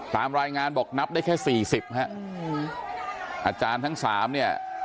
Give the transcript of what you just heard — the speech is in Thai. ตามรายงานบอกนับได้แค่สี่สิบฮะอาจารย์ทั้งสามเนี่ย